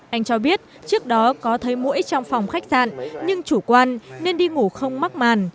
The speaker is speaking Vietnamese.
anh cho biết trước đó có thấy mũi trong phòng khách sạn nhưng chủ quan nên đi ngủ không mắc màn